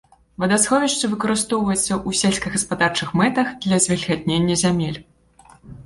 Вадасховішча выкарыстоўваецца ў сельскагаспадарчых мэтах для звільгатнення зямель.